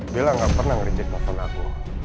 bila gak pernah ngereject telepon aku